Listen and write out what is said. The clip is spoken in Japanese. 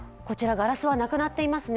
ガラスはなくなっていますね。